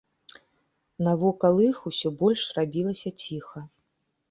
Навокал іх усё больш рабілася ціха.